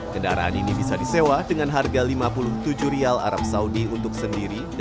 kendaraan ini bisa disewa dengan harga rp lima puluh tujuh arab saudi untuk sendiri